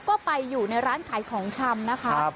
ก็ไปอยู่ในร้านขายของชำนะคะ